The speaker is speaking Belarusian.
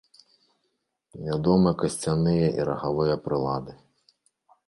Вядомы касцяныя і рагавыя прылады.